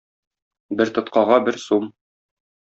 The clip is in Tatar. Бер тоткага бер сум.